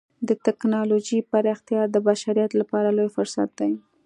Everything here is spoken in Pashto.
د ټکنالوجۍ پراختیا د بشریت لپاره لوی فرصت دی.